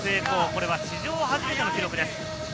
これは史上初めての記録です。